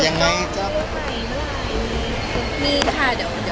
อย่างไรก็ได้หมด